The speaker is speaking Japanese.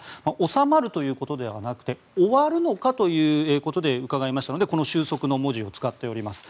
収まるということではなくて終わるのかということで伺いましたのでこの終息の文字を使っております。